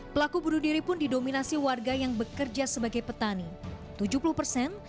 pelaku bunuh diri pun didominasi warga yang bekerja sebagai petani tujuh puluh persen